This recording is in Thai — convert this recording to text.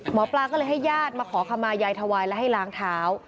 หมอปลาก็เลยให้ญาติมาขอคำมายายถวายและให้ล้างเท้า